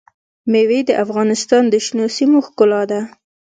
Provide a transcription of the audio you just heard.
مېوې د افغانستان د شنو سیمو ښکلا ده.